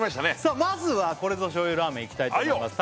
まずは「これぞ醤油ラーメン」いきたいと思います